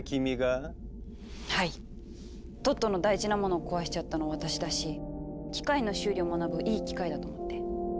トットの大事な物壊しちゃったの私だし機械の修理を学ぶいい機会だと思って。